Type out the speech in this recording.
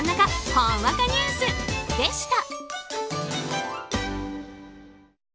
ほんわかニュースでした。